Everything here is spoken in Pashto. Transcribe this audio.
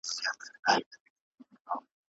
ټکنالوژي موږ ته د نړۍ د ژبو رنګارنګي راښيي.